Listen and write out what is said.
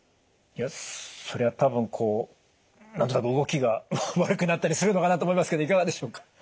いやそれは多分こう何となく動きが悪くなったりするのかなと思いますけどいかがでしょうか？